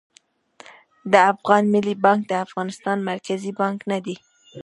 د افغان ملي بانک د افغانستان مرکزي بانک نه دي